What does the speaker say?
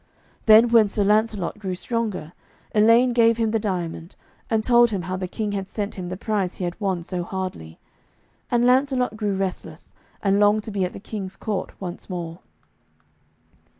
Then when Sir Lancelot grew stronger, Elaine gave him the diamond, and told him how the King had sent him the prize he had won so hardly. And Lancelot grew restless, and longed to be at the King's court once more.